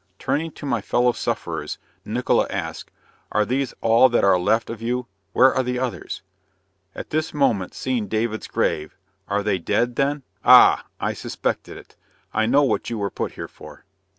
Turning to my fellow sufferers, Nickola asked "Are these all that are left of you? where are the others?" At this moment seeing David's grave "are they dead then? Ah! I suspected it, I know what you were put here for."